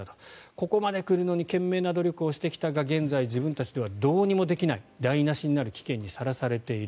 ここまで来るのに懸命な努力をしてきたが現在、自分たちではどうにもできない台なしになる危険にさらされている。